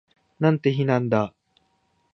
なんて日なんだ